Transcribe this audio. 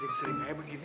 sering sering aja begini